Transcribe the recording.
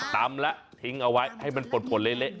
ตำแล้วทิ้งเอาไว้ให้มันป่นเละ